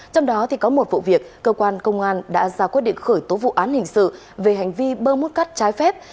trong đó có một vụ việc cơ quan công an đã ra quyết định khởi tố vụ án hình sự về hành vi bơm hút cát trái phép